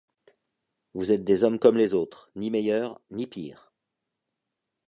Vous êtes des hommes comme les autres, ni meilleurs, ni pires.